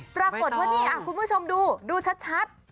ปรากฏว่านี่คุณผู้ชมดูดูชัด